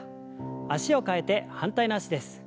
脚を替えて反対の脚です。